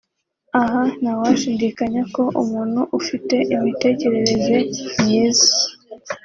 Aha ntawashidikanya ko umuntu ufite imitekereze myiza